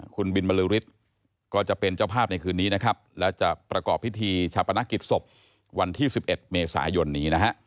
คุณบิลบริฤทธิ์